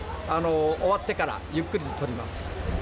終わってからゆっくり取ります。